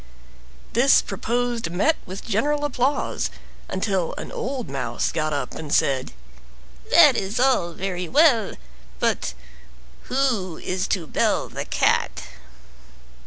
This proposed met with general applause, until an old mouse got up and said: "That is all very well, but who is to bell the Cat?"